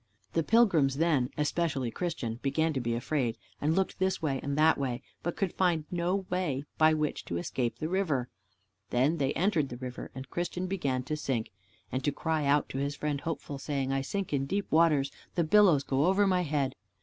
The pilgrims then, especially Christian, began to be afraid, and looked this way and that way, but could find no way by which to escape the river. Then they entered the river, and Christian began to sink and to cry out to his friend Hopeful, saying, "I sink in deep waters, the billows go over my head."